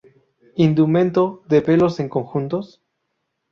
Indumento de pelos en conjuntos?